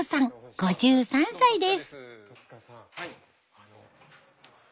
５３歳です。